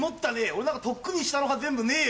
俺なんかとっくに下の歯全部ねえよ！